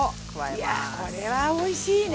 いやこれはおいしいね。